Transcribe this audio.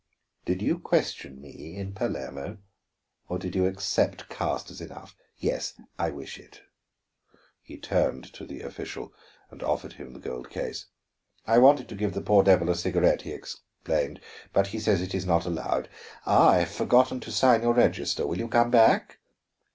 "Did you question me in Palermo, or did you accept caste as enough? Yes, I wish it." He turned to the official and offered him the gold case. "I wanted to give the poor devil a cigarette," he explained. "But he says it is not allowed. Ah, I have forgotten to sign your register; will you come back?"